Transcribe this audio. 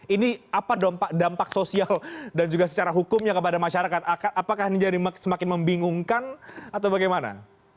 ini apa dampak sosial dan juga secara hukumnya kepada masyarakat apakah ini jadi semakin membingungkan atau bagaimana